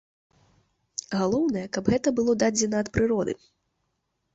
Галоўнае, каб гэта было дадзена ад прыроды.